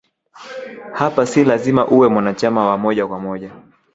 Hapa si lazima uwe mwanachama wa moja kwa moja